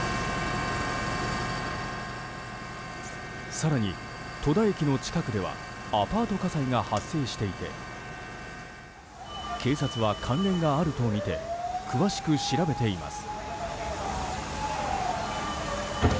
更に戸田駅の近くではアパート火災が発生していて警察は関連があるとみて詳しく調べています。